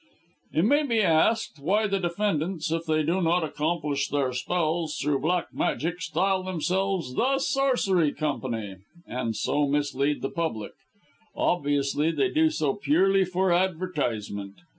"It may be asked, why the defendants, if they do not accomplish their spells through black magic, style themselves 'The Sorcery Company' and so mislead the public? Obviously they do so purely for advertisement.